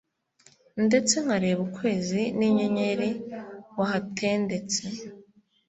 ndetse nkareba ukwezi n'inyenyeri wahatendetse